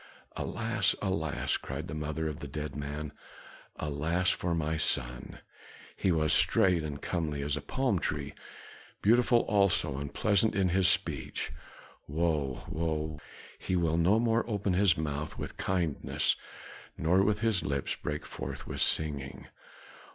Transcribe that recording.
"Alas! Alas!" cried the mother of the dead man. "Alas for my son! He was straight and comely as a palm tree, beautiful also, and pleasant in his speech. Woe! Woe! He will no more open his mouth with kindness, nor will his lips break forth with singing."